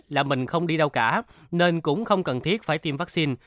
là mình không đi đâu cả nên cũng không cần thiết phải tiêm vaccine